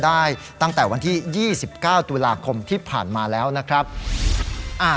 ได้ตั้งแต่วันที่ยี่สิบเก้าตุลาคมที่ผ่านมาแล้วนะครับอ่า